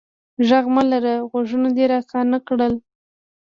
ږغ مه لره، غوږونه دي را کاڼه کړل.